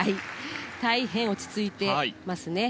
大変落ち着いていますね。